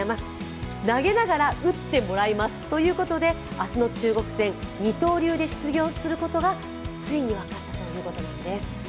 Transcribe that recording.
明日の中国戦、二刀流で出場することがついに分かったということなんです。